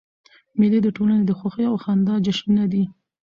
مېلې د ټولني د خوښیو او خندا جشنونه دي.